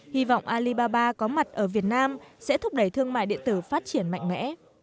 hy vọng alibaba có mặt ở việt nam sẽ thúc đẩy thương mại điện tử phát triển mạnh mẽ